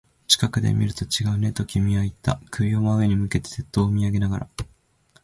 近くで見ると違うね、と君は言った。首を真上に向けて、鉄塔を見上げながら。